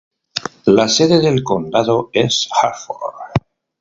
La sede del condado es Hertford.